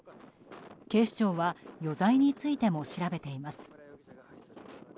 警視庁は余罪についても調べています。